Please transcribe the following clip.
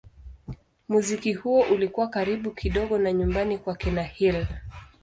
Muziki huo ulikuwa karibu kidogo na nyumbani kwa kina Hill.